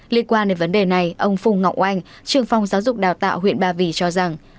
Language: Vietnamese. liên quan đến vấn đề này ông phùng ngọc oanh trường phong giáo dục đào tạo huyện ba vì cho rằng